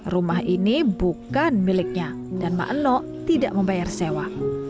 rumah ini bukan miliknya dan ma'enok tidak membayar sewa